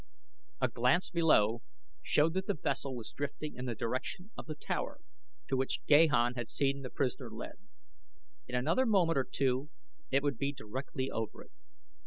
A glance below showed that the vessel was drifting in the direction of the tower to which Gahan had seen the prisoner led. In another moment or two it would be directly over it.